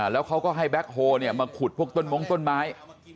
แล้วเขาก็ให้แบ็คโฮมาขุดพวกต้นมงต้นไม้